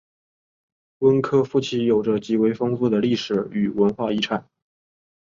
温科夫齐有着极为丰富的历史与文化遗产。